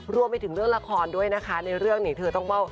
รวมไปถึงเรื่องละครด้วยนะคะในเรื่องนี้เธอต้องว่า